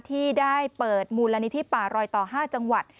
ที่ได้เปิดมูลนิธิป่ารอยต่อ๕จังหวัด